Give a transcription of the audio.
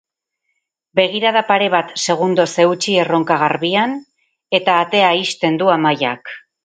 Begirada pare bat segundoz eutsi erronka garbian, eta atea ixten du Amaiak.